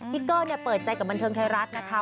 เกอร์เปิดใจกับบันเทิงไทยรัฐนะคะ